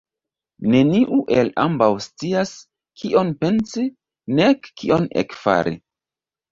Neniu el ambaŭ scias, kion pensi, nek kion ekfari.